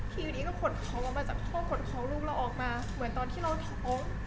ทีนี้ก็ขนของออกมาจากห้องขนของลูกเราออกมาเหมือนตอนที่เราท้อง